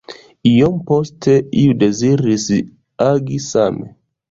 Iom poste iu deziris agi same.